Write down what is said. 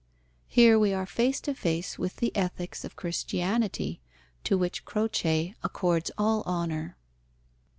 Here we are face to face with the ethics of Christianity, to which Croce accords all honour.